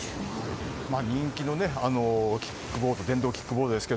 人気の電動キックボードです